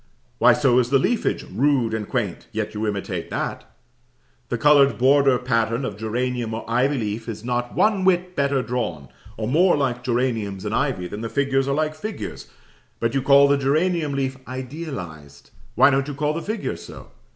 Why, so is the leafage rude and quaint, yet you imitate that. The coloured border pattern of geranium or ivy leaf is not one whit better drawn, or more like geraniums and ivy, than the figures are like figures; but you call the geranium leaf idealized why don't you call the figures so?